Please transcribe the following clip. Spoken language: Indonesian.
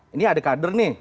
ini ada kader nih